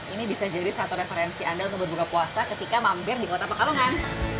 ini bisa jadi satu referensi anda untuk berbuka puasa ketika mampir di kota pekalongan